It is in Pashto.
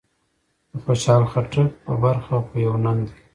د خوشحال خټک په برخه خو يو ننګ دی.